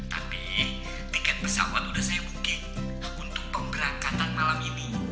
tapi tiket pesawat udah saya booking untuk pemberangkatan malam ini